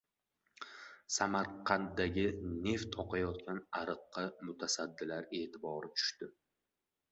Samarqanddagi «neft» oqayotgan ariqqa mutasaddilar e’tibori tushdi